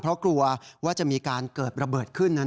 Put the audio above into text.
เพราะกลัวว่าจะมีการเกิดระเบิดขึ้นนั้น